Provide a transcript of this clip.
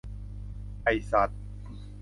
ไอ้สัส